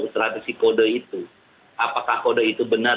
seratus kode itu apakah kode itu benar